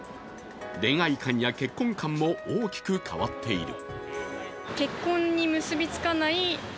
恋愛観や結婚観も大きく変わっている。